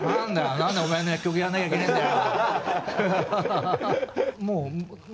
何でお前の楽曲やんなきゃいけねえんだよ」。